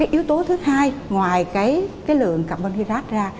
yếu tố thứ hai ngoài lượng carbon hydrate ra